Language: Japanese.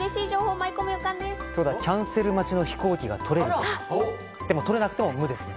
キャンセル待ちの飛行機が取れるとか？